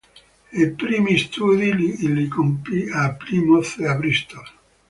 I primi studi li compì a Plymouth e a Bristol.